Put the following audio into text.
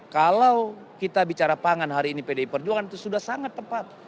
kalau kita bicara pangan hari ini pdi perjuangan itu sudah sangat tepat